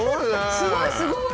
すごいすごい！